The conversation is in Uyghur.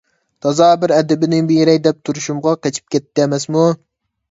تازا بىر ئەدىپىنى بېرەي دەپ تۇرۇشۇمغا قېچىپ كەتتى ئەمەسمۇ؟